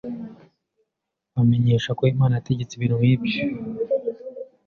bamenyesha ko Imana yategetse ibintunkibyo